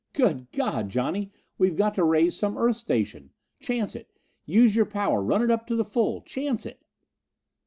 "Good God, Johnny, we've got to raise some Earth station! Chance it! Use your power run it up to the full. Chance it!"